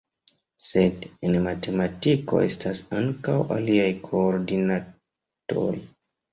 Sed en matematiko estas ankaŭ aliaj koordinatoj.